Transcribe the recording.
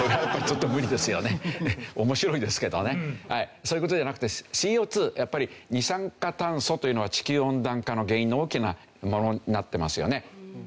そういう事じゃなくてＣＯ２やっぱり二酸化炭素というのは地球温暖化の原因の大きなものになってますよね。